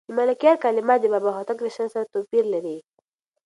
د ملکیار کلمات د بابا هوتک له شعر سره توپیر لري.